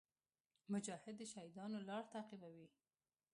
مجاهد د شهیدانو لار تعقیبوي.